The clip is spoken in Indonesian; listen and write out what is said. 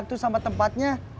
kita belum ngomongnya